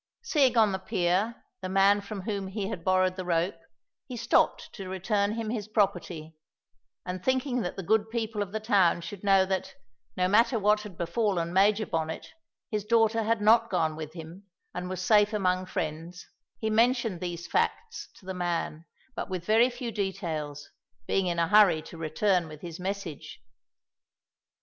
Seeing on the pier the man from whom he had borrowed the rope, he stopped to return him his property, and thinking that the good people of the town should know that, no matter what had befallen Major Bonnet, his daughter had not gone with him and was safe among friends, he mentioned these facts to the man, but with very few details, being in a hurry to return with his message.